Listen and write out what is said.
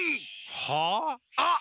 はあ？あっ！